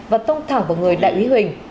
và tông thẳng vào người đại ủy huỳnh